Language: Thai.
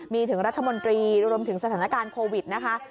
มีถึงรัฐมนตรีรวมถึงสถานการณ์โควิดนะคะ